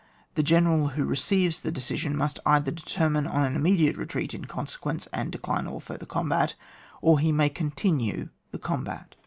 The general who receives the de cision may either determine on an imme diate retreat in consequence, and decline all further combat) or he may continue the combat.